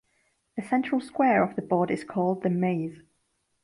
The central square of the board is called the maze.